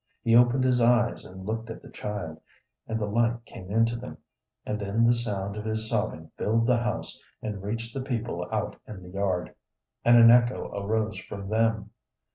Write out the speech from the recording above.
He opened his eyes and looked at the child, and the light came into them, and then the sound of his sobbing filled the house and reached the people out in the yard, and an echo arose from them.